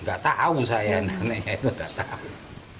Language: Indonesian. nggak tahu saya neneknya itu